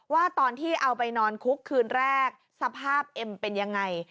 ว่าตอนที่เอาไปนอนคุกคืนแรกสภาพเอ็มเป็นยังไง